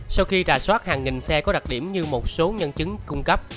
sau khi trà soát hàng nghìn xe có đặc điểm như một số nhân chứng cung cấp